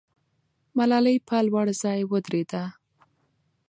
ملالۍ په لوړ ځای ودرېده.